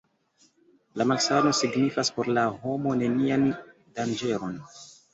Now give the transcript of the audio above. La malsano signifas por la homo nenian danĝeron.